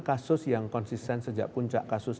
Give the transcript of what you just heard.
kasus yang konsisten sejak puncak kasus